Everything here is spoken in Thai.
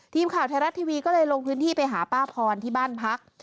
ทีมข่าวไทยรัฐทีวีก็เลยลงพื้นที่ไปหาป้าพรที่บ้านพัก